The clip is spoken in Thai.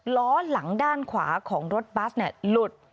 ล้อหลังด้านขวาของรถบัสหลุด